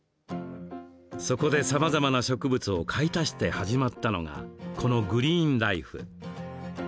そこでさまざまな植物を買い足して始まったのがこのグリーンライフ。